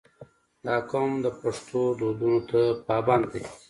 • دا قوم د پښتو دودونو ته پابند دی.